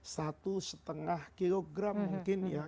satu setengah kilogram mungkin ya